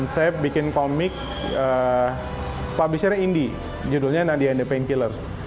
saya bikin komik publishernya indie judulnya nadia and the painkillers